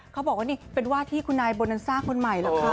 เขาบอกว่านี่เป็นว่าที่คุณนายโบนันซ่าคนใหม่เหรอคะ